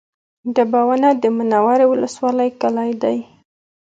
ډبونه د منورې ولسوالۍ کلی دی